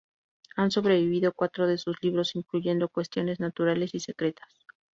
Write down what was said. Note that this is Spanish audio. Han sobrevivido cuatro de sus libros, incluyendo "Cuestiones Naturales y Secretas".